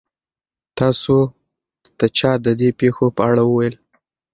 تاسو ته چا د دې پېښو په اړه وویل؟